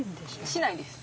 しないです。